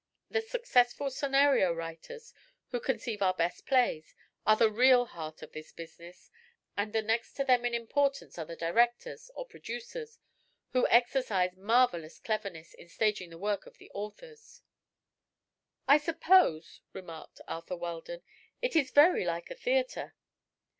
The successful scenario writers, who conceive our best plays, are the real heart of this business, and the next to them in importance are the directors, or producers, who exercise marvelous cleverness in staging the work of the authors." "I suppose," remarked Arthur Weldon, "it is very like a theatre."